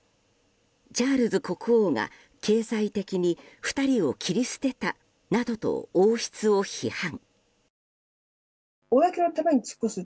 チャールズ国王が経済的に２人を切り捨てたなどと王室を批判。